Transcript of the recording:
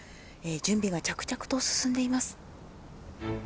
準備が着々と進んでいます。